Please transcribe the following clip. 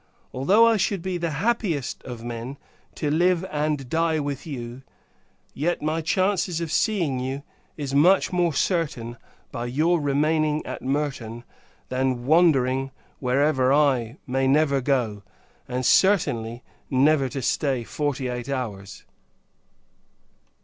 although I should be the happiest of men, to live and die with you, yet my chance of seeing you is much more certain by your remaining at Merton, than wandering where I may never go; and, certainly, never to stay forty eight hours.